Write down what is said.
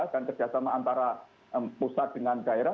dan kerjasama antara pusat dengan daerah